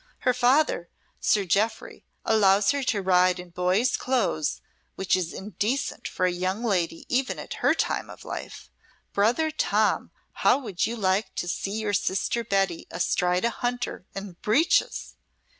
"Her father, Sir Jeoffry, allows her to ride in boys' clothes, which is indecent for a young lady even at her time of life. Brother Tom, how would you like to see your sister Betty astride a hunter, in breeches?